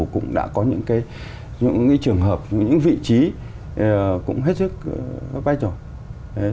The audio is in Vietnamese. cũng đã có những cái những cái trường hợp những vị trí cũng hết sức bách rồi